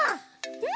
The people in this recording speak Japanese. うん！